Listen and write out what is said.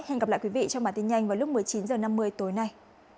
hẹn gặp lại quý vị trong bản tin nhanh vào lúc một mươi chín h năm mươi tối nay